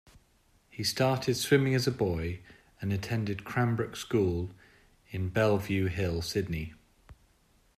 He started swimming as a boy and attended Cranbrook School in Bellevue Hill, Sydney.